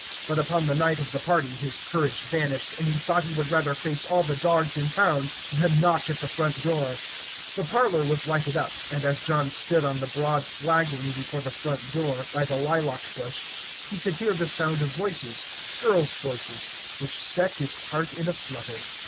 But upon the night of the party his courage vanished, and he thought he would rather face all the dogs in town than knock at the front door. The parlor was lighted up, and as John stood on the broad flagging before the front door, by the lilac bush, he could hear the sound of voices girls' voices which set his heart in a flutter.